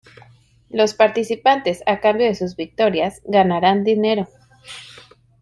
Los participantes a cambio de sus victorias, ganarán dinero.